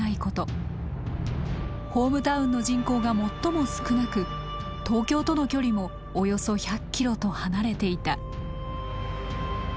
ホームタウンの人口が最も少なく東京との距離もおよそ１００ｋｍと離れていた。